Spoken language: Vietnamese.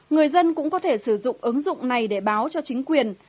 người dân cũng có thể sử dụng ứng dụng này để báo cho chính quyền